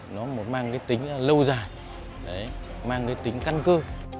nó mang tính lâu dài mang tính căn cơ